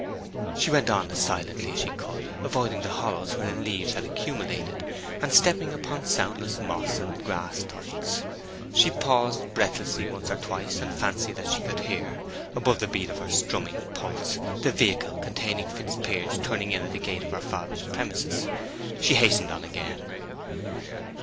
She went on as silently as she could, avoiding the hollows wherein leaves had accumulated, and stepping upon soundless moss and grass tufts. She paused breathlessly once or twice, and fancied that she could hear, above the beat of her strumming pulse, the vehicle containing Fitzpiers turning in at the gate of her father's premises. She hastened on again.